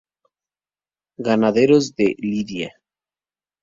Ganaderos de lidia.